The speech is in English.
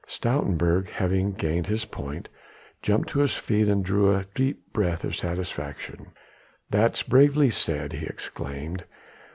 Stoutenburg, having gained his point, jumped to his feet and drew a deep breath of satisfaction. "That's bravely said," he exclaimed.